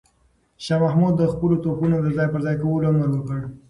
شاه محمود د خپلو توپونو د ځای پر ځای کولو امر وکړ.